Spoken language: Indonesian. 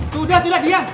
sudah silah dia